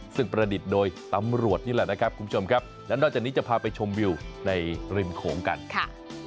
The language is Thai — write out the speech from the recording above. ซึ่งประดิษฐ์โดยตำรวจนี่แหละนะครับคุณผู้ชมครับและนอกจากนี้จะพาไปชมวิวในริมโขงกันค่ะ